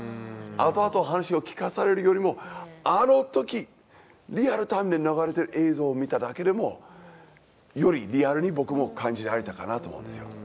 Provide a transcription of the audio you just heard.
後々話を聞かされるよりもあの時リアルタイムで流れてる映像を見ただけでもよりリアルに僕も感じられたかなと思うんですよ。